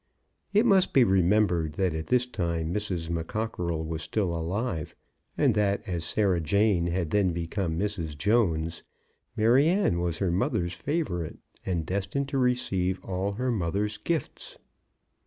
It must be remembered that at this time Mrs. McCockerell was still alive, and that as Sarah Jane had then become Mrs. Jones, Maryanne was her mother's favourite, and destined to receive all her mother's gifts.